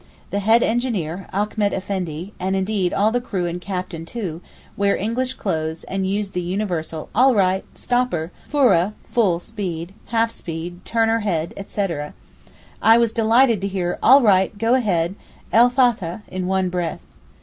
The head engineer, Achmet Effendi, and indeed all the crew and captain too, wear English clothes and use the universal 'All right, stop her—fooreh (full) speed, half speed—turn her head,' etc. I was delighted to hear 'All right—go ahead—el Fathah' in one breath.